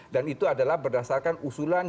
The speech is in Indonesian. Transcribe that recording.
dan itu adalah berdasarkan usulan